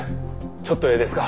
ちょっとええですか。